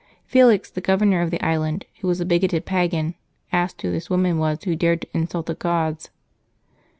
Felix, the governor of the island, who was a bigoted pagan, asked who this woman was who dared to insult the gods.